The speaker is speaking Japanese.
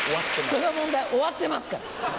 その問題終わってますから。